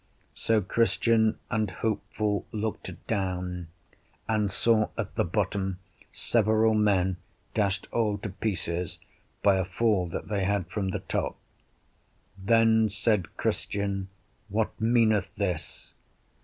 So Christian and Hopeful looked down, and saw at the bottom several men dashed all to pieces by a fall that they had from the top. Then said Christian, What meaneth this?